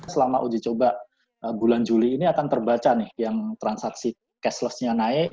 selama uji coba bulan juli ini akan terbaca nih yang transaksi cashlessnya naik